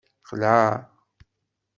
Qleɛ.